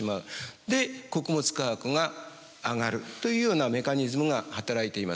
で穀物価格が上がるというようなメカニズムが働いています。